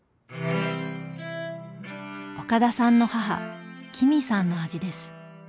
岡田さんの母君さんの味です。